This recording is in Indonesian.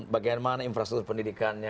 bagaimana infrastruktur pendidikannya